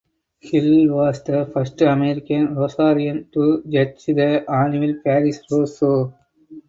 Hill was the first American rosarian to judge the annual Paris Rose Show.